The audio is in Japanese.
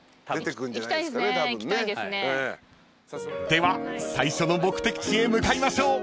［では最初の目的地へ向かいましょう］